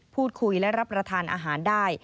พูดคุยและรับประทานอาหารได้